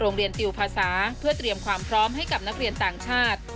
ติวภาษาเพื่อเตรียมความพร้อมให้กับนักเรียนต่างชาติ